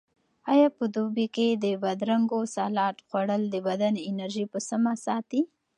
آیا په دوبي کې د بادرنګو سالاډ خوړل د بدن انرژي په سمه ساتي؟